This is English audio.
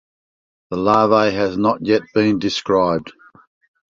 The larvae has not yet been described.